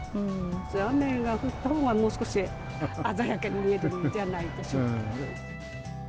雨が降ったほうが、もう少し鮮やかに見えるんじゃないでしょうか。